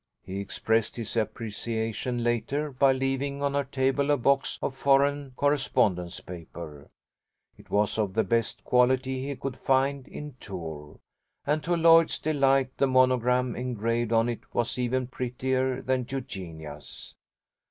He expressed his appreciation, later, by leaving on her table a box of foreign correspondence paper. It was of the best quality he could find in Tours, and to Lloyd's delight the monogram engraved on it was even prettier than Eugenia's.